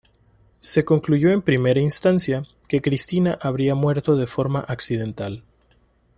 Se concluyó en primera instancia, que Cristina habría muerto de forma accidental.